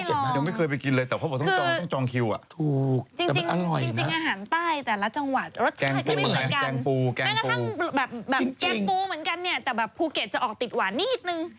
แกงปูแกงปูแกงปูเหมือนกันเนี่ยแต่แบบภูเก็ตจะออกติดหวานนิดนึง